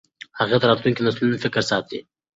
هغه د راتلونکو نسلونو فکر ساته.